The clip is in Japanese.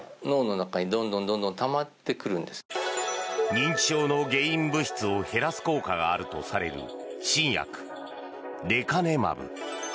認知症の原因物質を減らす効果があるとされる新薬レカネマブ。